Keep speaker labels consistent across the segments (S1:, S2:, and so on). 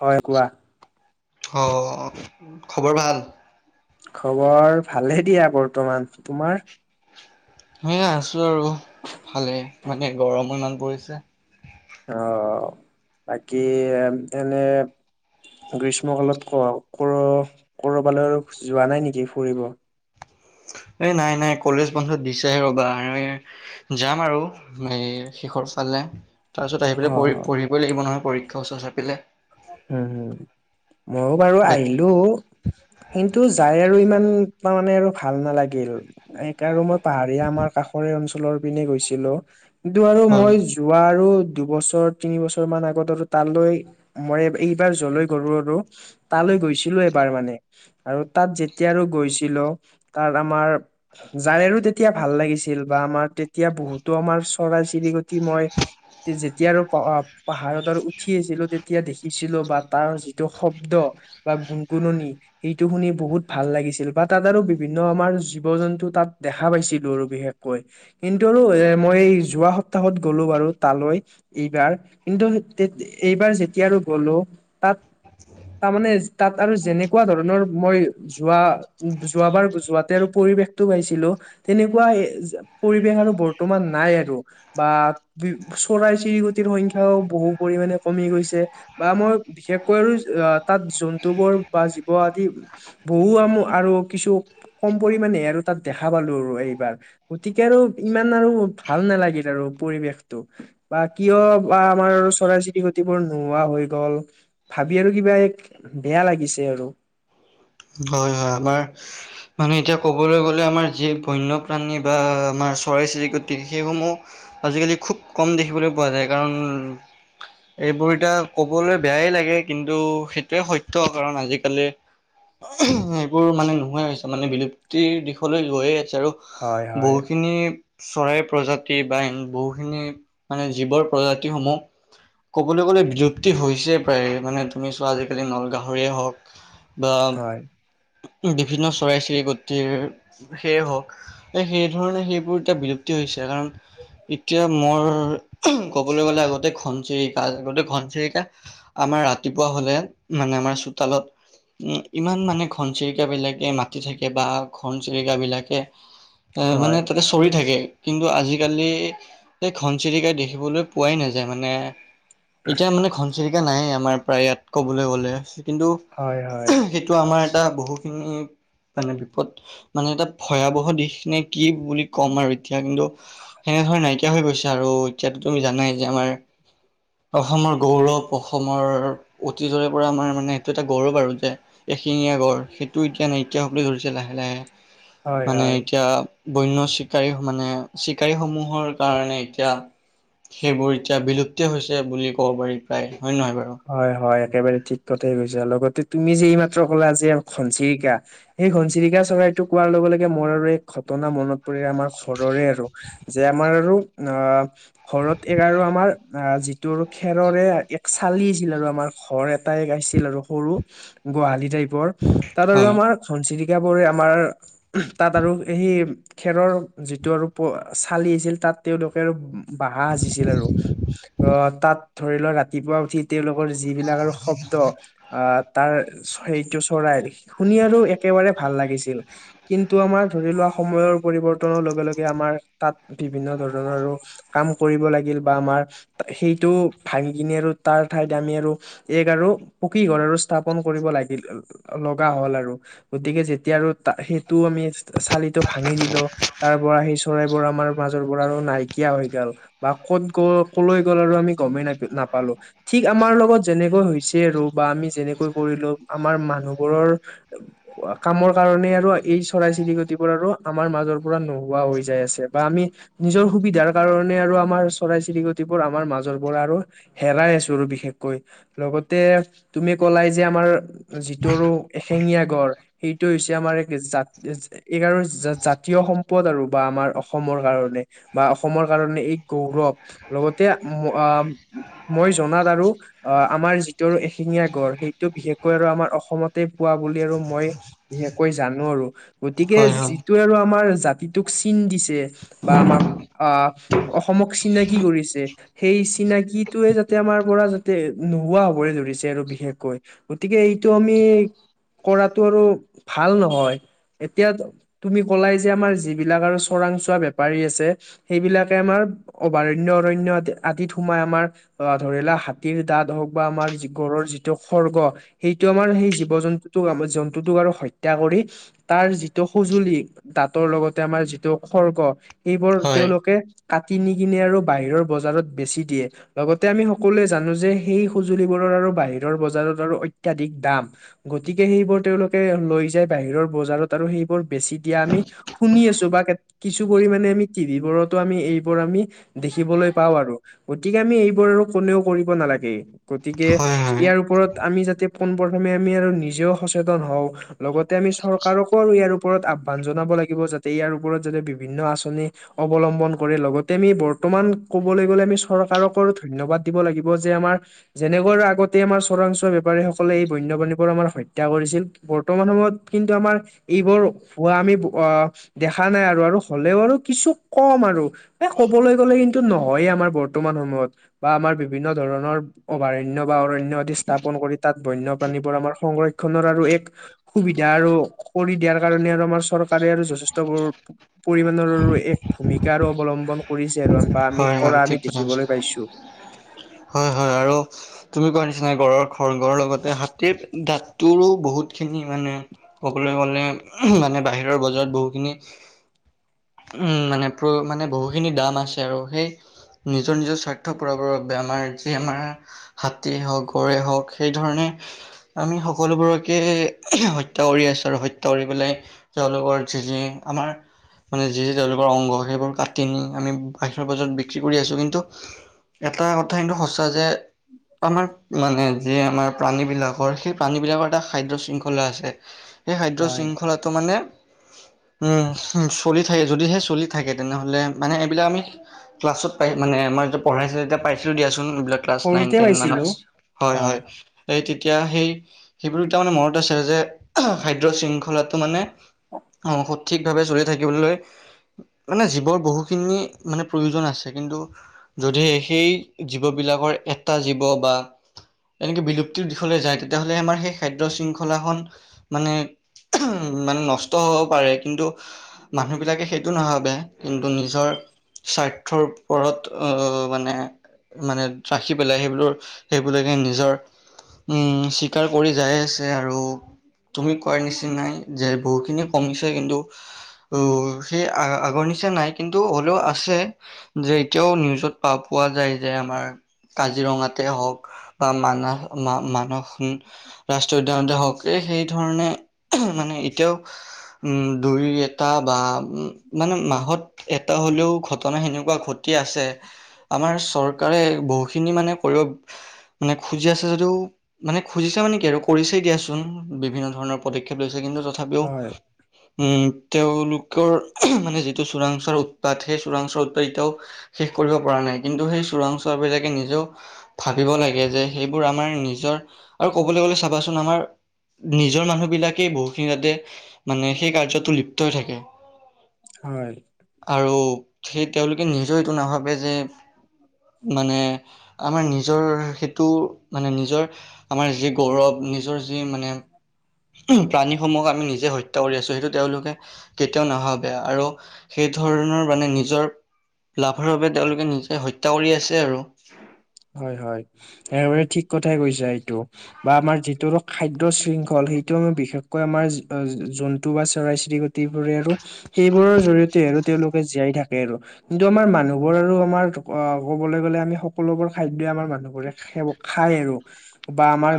S1: হয় কোৱা?
S2: হ অ অ অ অঁ খবৰ ভাল?
S1: খবৰ ভালে দিয়া বৰ্তমান, তোমাৰ?
S2: হয়ে আছোঁ আৰু ভালেই মানে গৰম ইমান পৰিছে।
S1: হ অ অ অ বাকী এনে গ্ৰীষ্মকালত ক কৰ ক'ৰবালৈ আৰু যোৱা নাই নেকি ফুৰিব?
S2: ঠাক এ নাই নাই কলেজ বন্ধত দিছেহে ৰবা আৰু ইয়াৰ যাম আৰু সেই শেষৰ ফালে। তাৰ পিছত আহি পেলাই
S1: অ
S2: পঢ়ি-পঢ়িবই লাগিব নহয় পৰীক্ষাৰ ওচৰ চাপিলে।
S1: আকৌ হুম হুম মইও বাৰু আহিলো। কিন্তু যায় আৰু ইমান এটা মানে আৰু ভাল নালাগিল। একা আৰু মই পাহাৰীয়া আমাৰ কাষৰীয়া অঞ্চলৰ পিনে গৈছিলো আহ কিন্তু আৰু
S2: হয়
S1: মই যোৱা আৰু দুবছৰ, তিনিবছৰ মান আগত আৰু তালৈ মই এইব এইবাৰ যলৈ গলো আৰু উস্ তালৈ গৈছিলো এবাৰ মানে ঠু আৰু তাত যেতিয়া আৰু গৈছিলো উস তাত আমাৰ ঠুওও যাই আৰু তেতিয়া ভাল লাগিছিল বা আমাৰ তেতিয়া বহুতো আমাৰ চৰাই-চিৰিকটি মই ইস্ যেতিয়া আৰু পাহা-পাহাৰত আৰু উঠি আছিলো তেতি এতিয়া দেখিছিলো বা তাৰ যিটো শব্দ বা গুণগুননি সেইটো শুনি বহুত ভাল লাগিছিল বা তাত আৰু বিভিন্ন আমাৰ জীৱ-জন্তু তাত দেখা পাইছিলো আৰু বিশেষকৈ ই হি কিন্তু আৰু এ মই এই যোৱা সপ্তাহত গলো বাৰু তালৈ উস এইবাৰ কিন্তু তে এইবাৰ যেতিয়া আৰু গলো তাত তাৰ মানে তাত আৰু যেনেকুৱা ধৰণৰ মই যোৱা-যোৱাবাৰ যোৱাতে আৰু পৰিৱেশটো পাইছিলো। তেনেকুৱা এ যে পৰিৱেশ আৰু বৰ্তমান নাই আৰু। বা পি চৰাই-চিৰিকটিৰ সংখ্যাও বহু পৰিমাণে কমি গৈছে। বা মই বিশেষকৈ আৰু আ তাত জন্তুবোৰ বা জীৱ আদি উম সি বহু আম আৰু কিছু কম পৰিমাণে আৰু তাত দেখা পালো আৰু এইবাৰ। গতিকে আৰু ইমান আৰু ভাল নালাগিল আৰু পৰিৱেশটো আহ্ বা কিয় বা আমাৰ চৰাই-চিৰিকটিবোৰ নোহোৱা হৈ গ'ল, ভাবি আৰু কিবা এক বেয়া লাগিছে আৰু
S2: হয় হয় আমাৰ ইস্ মানে এতিয়া ক'বলৈ গ'লে আমাৰ যি বন্যপ্ৰাণী বা আমাৰ চৰাই-চিৰিকটিৰ সেইসমূহ আজিকালি খুব কম দেখিবলৈ পোৱা যায় কাৰণ উ উ উ এইবোৰ এতিয়া ক'বলৈ বেয়াই লাগে কিন্তু সেইটোৱে সত্য কাৰণ আজিকালি অ উহঃ সেইবোৰ মানে নোহোৱাই হৈছে মানে বিলুপ্তিৰ দিশলৈ গৈয়ে আছে আৰু আ হা
S1: হয়
S2: বা
S1: হয়
S2: বহুখিনি চৰাইৰ প্ৰজাতি বা এনে বহুখিনি মানে জীৱৰ প্ৰজাতি সমূহ। ক'বলৈ গ'লে বিলুপ্তি হৈছেই প্ৰায় মানে তুমি চোৱা আজিকালি নল গাহৰিয়ে হওক। বা
S1: হয়
S2: বিভিন্ন চৰাই-চিৰিকটিৰ সেয়ে হওক সেই ধৰণে সেইবোৰ এতিয়া বিলুপ্তি হৈছে কাৰণ- এতিয়া মোৰ ক'বলৈ গ'লে আগতে ঘনচিৰিকা আগতে ঘনচিৰিকা- আমাৰ ৰাতিপুৱা হলে মানে আমাৰ চোতালত উম ইমান মানে ঘ ঘনচিৰিকা বিলাকে মাতি থাকে বা ঘনচিৰিকা বিলাকে হে এ এ এ মানে
S1: হয়
S2: তাতে চ পৰি থাকে কিন্তু আজিকালি সে ঘনচিৰিকাই দেখিবলৈ পোৱাই নাযায় মানে এতিয়া মানে ঘনচিৰিকা নাই আমাৰ প্ৰায় ইয়াত কবলৈ গলে কিন্তু
S1: হয় হয়
S2: উহো হে টো আমাৰ এটা বহুখিনি মানে বিপদ মানে এটা ভয়াৱহ দিশখিনি কি বুলি ক'ম আৰু এতিয়া কিন্তু সেনেধৰণে নাইকিয়া হৈ গৈছে আৰু এতিয়াতো তুমি জানাই যে আমাৰ অসমৰ গৌৰৱ, অসমৰ অতীতৰে পৰা আমাৰ মানে এইটো এটা গৌৰৱ আৰু যে। এশিঙীয়া গড় সেইটো এতিয়া নাইকিয়া হ'বলৈ ধৰিছে লাহে লাহে
S1: হয়
S2: মানে
S1: হয়
S2: এতিয়া বন্য চিকাৰী মানে চিকাৰী সমূহৰ কাৰণে এতিয়া- সেইবোৰ এতিয়া বিলুপ্তি হৈছে বুলি ক'ব পাৰি প্ৰায় হয় নে নহয় বাৰু।
S1: হয় হয় একেবাৰে ঠিক কথা কৈছা আৰু লগতে তুমি যে এই মাত্ৰ ক'লা আজি ঘনচিৰিকা- সেই ঘনচিৰিকা চৰাইটোক কোৱাৰ লগে লগে মোৰ আৰু এক ঘটনা মনত- আমাৰ ঘৰৰে আৰু যে আমাৰ আৰু অ ঘৰত এক আৰু আমাৰ- আহ যিটো খেৰৰে এক চালি আছিল আৰু আমাৰ ঘৰ এটাই গাইছিল আৰু সৰু- গোহালি টাইপৰ তাত আৰু
S2: হয়
S1: আমাৰ ঘনচিৰিকাবোৰে আমাৰ- তাত আৰু সেই খেৰৰ যিটো আৰু প চালি আছিল তাত তেওঁলোকে আৰু- বাহঁ সাজিছিল আৰু, অঁ তাত ধৰি লোৱা ৰাতিপুৱা- উঠি তেওঁলোকৰ যিবিলাক আৰু শব্দ। আহ তাৰ সেইটো চৰাইৰ শুনি আৰু একেবাৰে ভাল লাগিছিল। কিন্তু আমাৰ ধৰি লোৱা সময়ৰ পৰিৱৰ্তনৰ লগে লগে আমাৰ তাত বিভিন্ন ধৰণৰো- কাম কৰিব লাগিল বা আমাৰ সেইটো ভাঙি কিনে আৰু- তাৰ ঠাইত আমি আৰু এক আৰু পকী ঘৰ আৰু স্থাপন কৰিব লাগিল। লগা হল আৰু গতিকে যেতিয়া আৰু ত সেইটো আমি চালিটো ভাঙি দিলো। তাৰ পৰা সি চৰাইবোৰ আমাৰ মাজ পৰা আৰু নাইকিয়া হৈ গল। বা ক'ত গ'ল ক'লৈ গ'ল আৰু আমি গমেই ন নাপালো। ঠিক আমাৰ লগত যেনেকৈ হৈছে আৰু বা আমি যেনেকৈ কৰিলো আমাৰ মানুহবোৰৰ- কামৰ কাৰণে আৰু এই চৰাই চিৰিকটিবোৰ আৰু আমাৰ মাজৰ পৰা নোহোৱা হৈ যাই আছে বা আমি- নিজৰ সুবিধাৰ কাৰণে আৰু আমাৰ চৰাই চিৰিকটিবোৰ আমাৰ মাজৰ পৰা আৰু হেৰাই আছো। বিশেষকৈ লগতে তুমি কলাই যে আমাৰ- যিটোৰ এশেঙীয়া গড় সেইটো হৈছে আমাৰ এক জাত- এক আৰু জাতীয় সম্পদ আৰু বা আমাৰ অসমৰ কাৰণে- বা অসমৰ কাৰণে এক গৌৰৱ লগতে আহ মই জনাত আৰু- অ আমাৰ যিটো আৰু এশেঙীয়া গড় সেইটো বিশেষকৈ আৰু আমাৰ অসমতে পোৱা বুলি আৰু মই- বিশেষকৈ জানো আৰু। গতিকে
S2: হয় হয়
S1: যিটোৱে আৰু আমাৰ জাতিটোক চিন দিছে বা আমাক- আহ অসমক চিনাকি কৰিছে সেই, চিনাকিটোৱে যাতে- এতিয়া আমাৰ পৰা যদি নোহোৱা হবৰে ধৰিছে আৰু বিশেষকৈ গতিকে এইটো আমি- কৰাটো আৰু ভাল নহয় এতিয়া- তুমি ক'লাই যে আমাৰ যিবিলাক আৰু চৰাং চোৱা বেপাৰী আছে। সেইবিলাকে আমাৰ অভয়াৰণ্য অৰণ্য আ আদিত সোমাই আমাৰ- অ ধৰি লোৱা হাতীৰ দাঁত হওক বা আমাৰ যি গড়ৰ যিটো খৰ্গ- সেইটো আমাৰ সেই জীৱ জন্তুটোক আমাৰ জন্তুটোক আৰু হত্যা কৰি- তাৰ যিটো সজুলি দাঁতৰ লগতে আমাৰ যিটো খৰ্গ- এইবোৰ
S2: হয়
S1: তেওঁলোকে কাটি নি কিনে আৰু বাহিৰৰ বজাৰত বেচি দিয়ে। লগতে আমি সকলোৱে জানো যে সেই সঁজুলিবোৰৰ আৰু বাহিৰৰ বজাৰত আৰু অত্যাধিক দাম। গতিকে সেইবোৰ তেওঁলোকে লৈ যায় বাহিৰৰ বজাৰত, আৰু সেইবোৰ বেছি দিয়া আমি- শুনি আছো বা কিছু পৰিমানে আমি টি ভিবোৰতো আমি এইবোৰ আমি- দেখিবলৈ পাওঁ আৰু। গতিকে আমি এইবোৰ আৰু কোনেও কৰিব নালাগে। গতিকে
S2: হয় হয়
S1: ইয়াৰ ওপৰত আমি যাতে পোন প্ৰথমে আমি আৰু নিজেও সচেতন হওঁ। লগতে আমি চৰকাৰকো আৰু ইয়াৰ ওপৰত আহ্বান জনাব লাগিব যাতে ইয়াৰ ওপৰত যাতে বিভিন্ন আঁচনি অৱলম্বন কৰে লগতে আমি বৰ্তমান ক'বলৈ গ'লে আমি চ চৰকাৰকো ধন্যবাদ দিব লাগিব যে আমাৰ যেনেকৈ আৰু আগতে আমাৰ চোৰাংচোৱা বেপাৰী সকলে এই বন্যপ্ৰাণীবোৰ আমাৰ হত্যা কৰিছিল। বৰ্তমান সময়ত কিন্তু আমাৰ এইবোৰ হোৱা আমি অ দেখা নাই আৰু, আৰু হ'লেও আৰু কিছু কম আৰু এই ক'বলৈ গ'লে কিন্তু নহয় আমাৰ বৰ বৰ্তমান সময়ত বা আমাৰ বিভিন্ন ধৰণৰ অভয়াৰণ্য বা অৰণ্য আদি স্থাপন কৰি তাত বন্যপ্ৰাণীবোৰ আমাৰ সংৰক্ষণৰ আৰু এক সুবিধা আৰু কৰি দিয়াৰ কাৰণে আৰু আমাৰ চৰকাৰে আৰু যথেষ্টবোৰ পৰিমাণৰো এক ভূমিকা আৰু অৱলম্বন কৰিছে আৰু বা আমি কৰা আমি
S2: অহ,
S1: দেখিবলৈ পাইছো
S2: হয় হয় আৰু তুমি কোৱাৰ নিচিনা গঁড়ৰ, খড় গঁড়ৰ লগতে হাতীৰ দাঁতটোৰো বহুত খিনি মানে ক'বলৈ গ'লে উমহ মানে বাহিৰৰ বজাৰত বহুখিনি উম মানে প্ৰ মানে বহুখিনি দাম আছে আৰু সেই নিজৰ নিজৰ স্বাৰ্থ পুৰাবৰ বাবে আমাৰ যি আমাৰ হাতীয়ে হওঁক, গড়ে হওঁক সেই ধৰণে আমি সকলোবোৰকে হত্যা কৰি আছোঁ আৰু হত্যা কৰি পেলাই তেওঁলোকৰ যি যি আমাৰ মানে যি যি তেওঁলোকৰ অংগ সেইবোৰ কাটি নি আমি বাহিৰৰ বজাৰত বিক্ৰী কৰি আছোঁ। কিন্তু এটা কথা কিন্তু সঁচা যে আমাৰ মানে যি আমাৰ প্ৰাণী বিলাকৰ সেই প্ৰাণী বিলাকৰ এটা খাদ্য শৃংখলা আছে।
S1: [inaudible]
S2: সেই খাদ্য শৃংখলাটো মানে উম হোম চলি থাকে, যদিহে চলি থাকে তেনেহ'লে মানে এইবিলাক আমি ক্লাছত পাই মানে আমাৰ যেতিয়া পঢ়াইছে যেতিয়া পাইছিলো দিয়া চোন এইবিলাক। ক্লাছ নাইন,
S1: সৰুতে
S2: টেন
S1: পাইছিলো
S2: মানত। হয় হয়। এই তেতিয়া সেই সেইবোৰ এতিয়া মানে মনত আছে যে উমহ খাদ্য শৃংখলাটো মানে অঁহ সঠিক ভাৱে চলি থাকিবলৈ, মানে জীৱৰ বহুখিনি মানে প্ৰয়োজন আছে। কিন্তু যদিহে সেই জীৱবিলাকৰ এটা জীৱ বা এনেকে বিলুপ্তিৰ দিশলৈ যায় তেতিয়া হ'লে আমাৰ সেই খাদ্য শৃংখলাখন মানে উমহ মানে নষ্ট হ'ব পাৰে। কিন্তু মানুহবিলাকে সেইটো নাভাবে। কিন্তু নিজৰ স্বাৰ্থৰ ওপৰত অ মানে মানে ৰাখি পেলাই সেইবোলো সেইবিলাকে নিজৰ উম চিকাৰ কৰি যাই আছে আৰু তুমি কোৱাৰ নিচিনাই যে বহুতখিনি কমিছে। কিন্তু ও সেই আ আগৰ নিচিনা নাই কিন্তু হ'লেও আ আছে। যে এতিয়াও নিউজত পা পোৱা যায় যে আমাৰ কাজিৰঙাতে হওঁক বা মানাহ মা মানস ৰাষ্ট্ৰীয় উদ্যানতে হওঁক, এই সেই ধৰণে উমহ মানে এতিয়াও উম, দুই এটা বা উম মানে মাহত এটা হ'লেও ঘটনা সেনেকুৱা ঘটি আছে। আমাৰ চৰকাৰে বহুখিনি মানে কৰিব মানে খুজি আছে যদিও মানে খুজিছে মানে কি আৰু কৰিছেই দিয়াচোন বিভিন্ন ধৰণৰ পদক্ষেপ লৈছে। কিন্তু তথাপিও তথাপিও
S1: হয়
S2: উম তেওঁলোকৰ উমহ মানে যিটো চোৰাংচোৱাৰ উৎপাত সেই চোৰাংচোৱা উৎপাত এতিয়াও শেষ কৰিব পৰা নাই। কিন্তু সেই চোৰাংচোৱা বিলাকে নিজেও ভাবিব লাগে যে সেইবোৰ আমাৰ নিজৰ আৰু ক'বলৈ গ'লে চাবাচোন আমাৰ নিজৰ মানুহবিলাকেই বহুখিনি তাতে মানে সেই কাৰ্যতোত লিপ্ত হৈ থাকে।
S1: হয়।
S2: আৰু সেই তেওঁলোকে নিজেও এইটো নাভাবে যে মানে আমাৰ নিজৰ সেইটো মানে নিজৰ- আমাৰ যি গৌৰৱ নিজৰ যি মানে- প্ৰাণীসমূহক আমি নিজে হত্যা কৰি আছোঁ। সেইটো তেওঁলোকে- কেতিয়াও নেভাবে আৰু সেই ধৰণৰ মানে- নিজৰ লাভৰ বাবে তেওঁলোকে নিজে হত্যা কৰি আছে আৰু।
S1: হয়' হয়। একেবাৰে ঠিক কথাই কৈছা এইটো। বা আমাৰ যিটো খাদ্য শৃংখল সেইটো আমি বিশেষকৈ আমাৰ জন্তু বা চৰাই চিৰিক- টিবোৰে আৰু সেইবোৰে আৰু সেইবোৰৰ জৰিয়তে আৰু তেওঁলোকে জীয়াই থাকে আৰু। কিন্তু আমাৰ মানুহবোৰ আৰু আমাৰ অ ক'বলৈ গ'লে আমি সকলোবোৰ খাদ্যই আমাৰ মানুহবোৰে খা খেব খাই আৰু, বা আমাৰ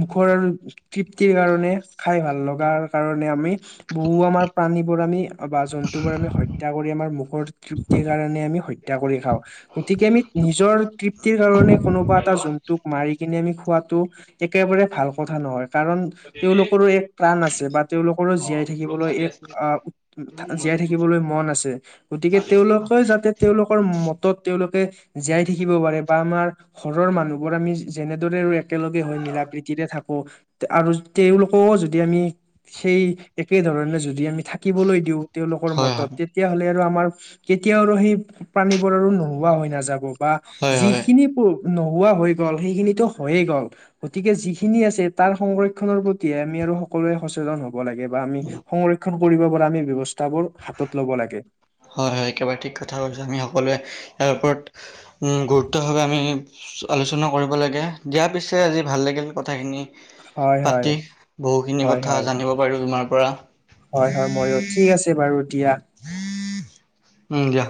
S1: মুখৰ আৰু তৃপ্তিৰ কাৰণে খাই ভাল লগাৰ কাৰণে আমি বহু আমাৰ প্ৰাণীবোৰ আমি বা জন্তুবোৰ আমি হত্যা কৰি আমাৰ মুখৰ তৃপ্তিৰ কাৰণে আমি হত্যা কৰি খাওঁ। গতিকে আমি নিজৰ তৃপ্তিৰ কাৰণে কোনোবা এটা জন্তুক মাৰি কিনে আমি খোৱাটো একেবাৰে ভাল কথা নহয়। কাৰণ তেওঁলোকৰো এক প্ৰাণ আছে বা তেওঁলোকৰো জীয়াই থাকিবলৈ এক আহ জীয়াই থাকিবলৈ মন আছে গতিকে তেওঁলোকে যাতে তেওঁলোকৰ মতত তেওঁলোকে জীয়াই থাকিব পাৰে বা আমাৰ সৰৰ মানুহবোৰ আমি যেনেদৰে আৰু একেলগে হৈ মিলা প্ৰীতিৰে থাকো আৰু তেওঁলোকও যদি আমি সেই একেধৰণে যদি আমি থাকিবলৈ দিওঁ। তেওঁলোকৰ
S2: হয়
S1: মতত
S2: হয়
S1: তেতিয়া হ'লে আৰু আমাৰ কেতিয়াও আৰু সেই প্ৰাণীবোৰ আৰু নোহোৱা হৈ নাযাব। বা
S2: হয় হয়
S1: যিখিনি নোহোৱা হৈ গ'ল সেইখিনিতো হৈয়ে গ'ল গতিকে যিখিনি আছে তাৰ সংৰক্ষণৰ প্ৰতিহে আমি আৰু সকলোৱে সচেতন হওঁক। ব লাগে বা আমি সংৰক্ষণ কৰিব পৰা আমি ব্যৱস্থাবোৰ হাতত ল'ব লাগে।
S2: হয় হয় একেবাৰে ঠিক কথা কৈছো আমি সকলোৱে ইয়াৰ ওপৰত গুৰুত্বভাৱে আমি আলোচনা কৰিব লাগে, দিয়া পিছে আজি ভাল লাগিল কথাখিনি
S1: হয় হয়
S2: পাতি বহু খিনি
S1: হয়
S2: কথা
S1: হয়
S2: জানিব পাৰিলো তোমাৰ পৰা।
S1: হয় হয় ময়ো ঠিক আছে বাৰু দিয়া।
S2: উম দিয়া।